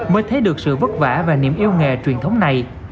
mới thấy được sự vất vả và niềm yêu nghề truyền thống này